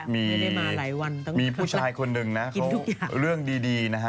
มีผู้ชายคนหนึ่งนะเขาเรื่องดีนะฮะ